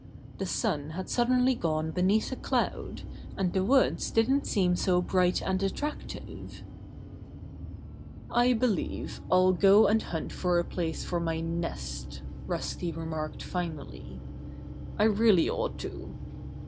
The sun had suddenly gone beneath a cloud, and the woods didn't seem so bright and attractive. "I believe I'll go and hunt for a place for my nest," Rusty remarked finally. "I really ought to."